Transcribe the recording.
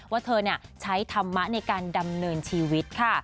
ว่าเธอใช้ธรรมะในการดำเนินชีวิตค่ะ